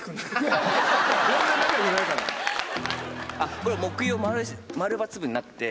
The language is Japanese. これ木曜『◎×部』になって。